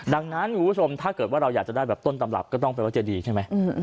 ดังนั้นคุณผู้ชมถ้าเกิดว่าเราอยากจะได้แบบต้นตำรับก็ต้องไปวัดเจดีใช่ไหม